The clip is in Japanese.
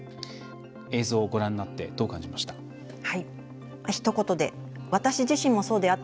映像、ご覧になってどう感じました？